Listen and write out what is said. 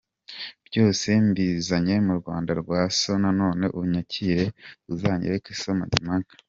Byose mbizanye mu Rwanda rwa so, none unyakire uzanyereke so Mazimpaka” .